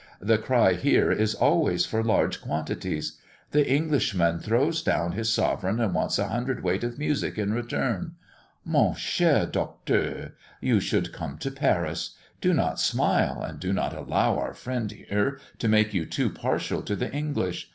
"The cry here is always for large quantities. The Englishman throws down his sovereign and wants a hundred weight of music in return. Mon cher Docteur, you should come to Paris. Do not smile, and do not allow our friend here to make you too partial to the English.